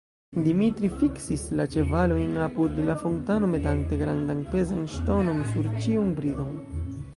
Dimitri fiksis la ĉevalojn apud la fontano, metante grandan pezan ŝtonon sur ĉiun bridon.